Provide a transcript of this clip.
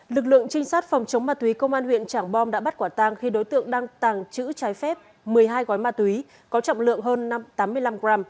lực lượng trinh sát phòng chống ma túy công an huyện trảng bom đã bắt quả tang khi đối tượng đang tàng trữ trái phép một mươi hai gói ma túy có trọng lượng hơn tám mươi năm g